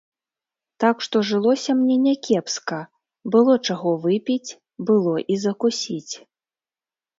Так што жылося мне някепска, было чаго выпіць, было і закусіць.